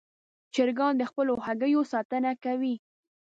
چرګان د خپلو هګیو ساتنه کوي.